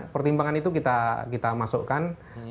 pertimbangan itu kita masukkan